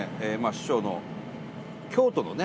師匠の京都のね